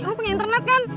lo punya internet kan